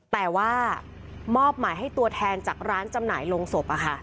แต่ว่ามอบหมายให้ตัวแทนจากร้านจำหน่ายลงศพ